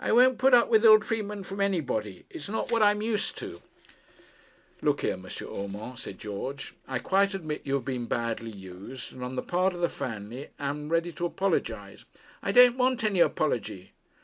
'I won't put up with ill treatment from anybody. It's not what I'm used to.' 'Look here, M. Urmand,' said George. 'I quite admit you have been badly used; and, on the part of the family, I am ready to apologise.' 'I don't want any apology.'